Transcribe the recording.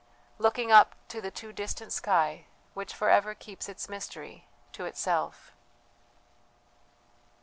looking up to the too distant sky which for ever keeps its mystery to itself.